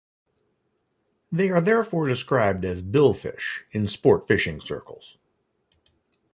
They are therefore described as billfish in sport-fishing circles.